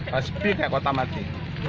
pasir kayak kota mati